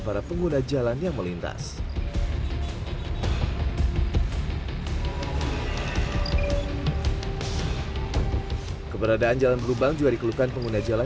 para pengguna jalan yang melintas keberadaan jalan berlubang juga dikeluhkan pengguna jalan